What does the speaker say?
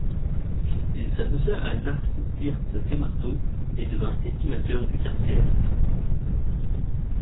Il s'associa avec Narcisse-Birtz Desmarteau, et devint estimateur du Quartier-Est.